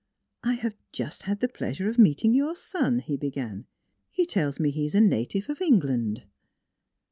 " I have just had the pleasure of meeting your son," he began. " He tells me he is a native of England."